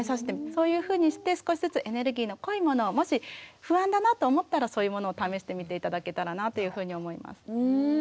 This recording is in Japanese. そういうふうにして少しずつエネルギーの濃いものをもし不安だなと思ったらそういうものを試してみて頂けたらなというふうに思います。